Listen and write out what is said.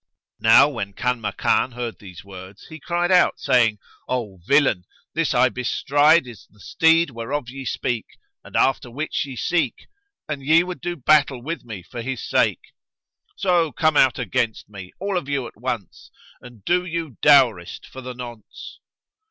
Now when Kanmakan heard these words, he cried out, saying, "O villain, this I bestride is the steed whereof ye speak and after which ye seek, and ye would do battle with me for his sake' So come out against me, all of you at once, and do you dourest for the nonce!"